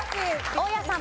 大家さん。